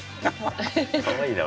かわいいな。